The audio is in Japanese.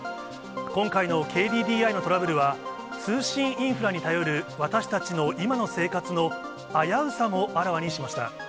今回のＫＤＤＩのトラブルは、通信インフラに頼る私たちの今の生活の危うさもあらわにしました。